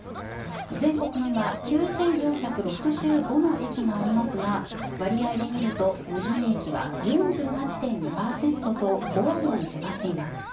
全国には９４６５の駅がありますが割合で見ると無人駅は４８．２％と５割に迫っています。